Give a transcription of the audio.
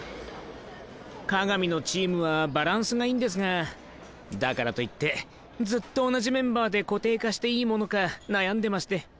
利見のチームはバランスがいいんですがだからといってずっと同じメンバーで固定化していいものか悩んでまして。